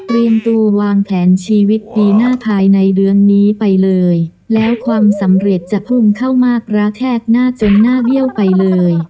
เรียนตัววางแผนชีวิตปีหน้าภายในเดือนนี้ไปเลยแล้วความสำเร็จจะพุ่งเข้ามากระแทกหน้าจนหน้าเบี้ยวไปเลย